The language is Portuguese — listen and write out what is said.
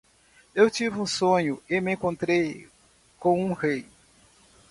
Eu tive um sonho? e me encontrei com um rei.